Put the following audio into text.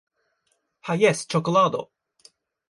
Ha jes, ĉokolado